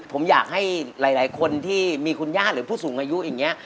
ผมอยากให้หลายคนที่มีคุณญาติหรือผู้สูงอายุอย่างนี้